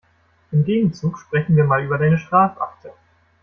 Im Gegenzug sprechen wir mal über deine Strafakte.